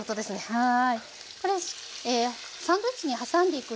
はい。